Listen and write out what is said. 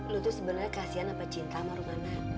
lo tuh sebenernya kasian apa cinta sama rumah anak